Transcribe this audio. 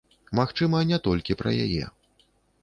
Магчыма, не толькі пра яе.